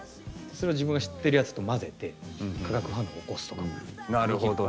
それを自分が知ってるやつと混ぜて化学反応を起こすとかもできるから。